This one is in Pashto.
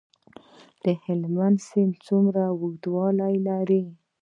د هلمند سیند څومره اوږدوالی لري؟